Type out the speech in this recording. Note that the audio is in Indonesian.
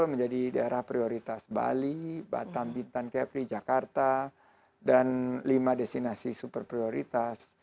menjadi daerah prioritas bali batam bintan kepri jakarta dan lima destinasi super prioritas